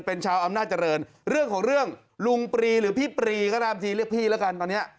เป็นชาวอำนาจเจริญเรื่องของเรื่องลุงปรีหรือพี่ปรีก็ตามทีเรียกพี่แล้วกันตอนนี้